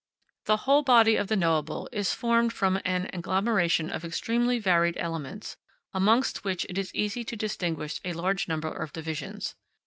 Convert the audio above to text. The whole body of the knowable is formed from an agglomeration of extremely varied elements, amongst which it is easy to distinguish a large number of divisions.